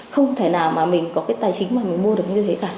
không thể nào mà mình có cái tài chính mà mình mua được như thế cả